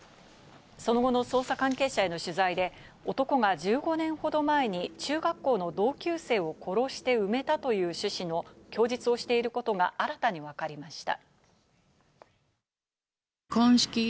その後の捜査関係者への取材で、男が１５年ほど前に中学校の同級生を殺して埋めたという趣旨の供述をしていることが新たに分かりました。